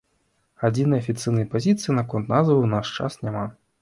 Адзінай афіцыйнай пазіцыі наконт назвы ў наш час няма.